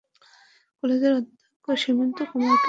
কলেজের অধ্যক্ষ সেন্থিল কুমারকে গ্রেফতার করা হয়েছে।